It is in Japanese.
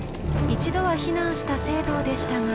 一度は避難した惺堂でしたが。